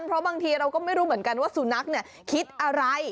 เพราะบางทีเราก็ไม่รู้เหมือนกันว่าสุนัขคิดอะไร